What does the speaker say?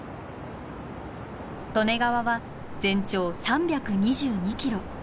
利根川は全長３２２キロ。